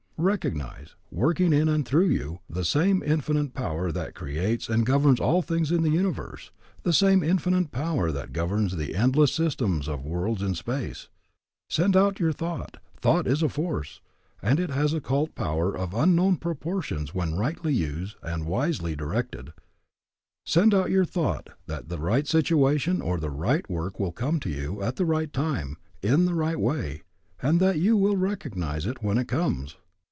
Recognize, working in and through you, the same Infinite Power that creates and governs all things in the universe, the same Infinite Power that governs the endless systems of worlds in space. Send out your thought, thought is a force, and it has occult power of unknown proportions when rightly used and wisely directed, send out your thought that the right situation or the right work will come to you at the right time, in the right way, and that you will recognize it when it comes.